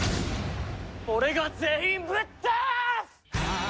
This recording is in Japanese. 俺が全員ぶっ倒す！